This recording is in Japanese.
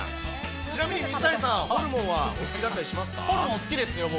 ちなみに水谷さん、ホルモンはおホルモン、好きですよ、僕。